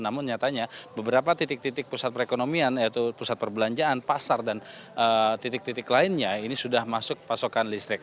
namun nyatanya beberapa titik titik pusat perekonomian yaitu pusat perbelanjaan pasar dan titik titik lainnya ini sudah masuk pasokan listrik